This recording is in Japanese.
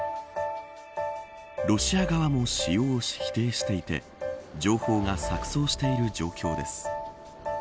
ロシア側も使用を否定していて情報が錯綜している状況です。